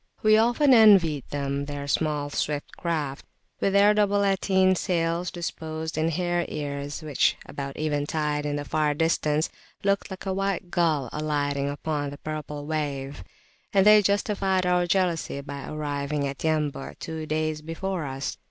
We often envied them their small swift craft, with their double latine sails disposed in "hare ears" which, about eventide in the far distance, looked like a white gull alighting upon the purple wave; and they justified our jealousy by arriving at Yambu' two days before us.